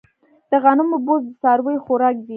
د غنمو بوس د څارویو خوراک دی.